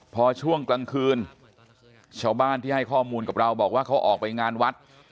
พอช่วงกลางคืนชาวบ้านที่ให้ข้อมูลกับเราบอกว่าเขาออกไปงานวัด